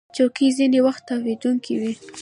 چوکۍ ځینې وخت تاوېدونکې وي.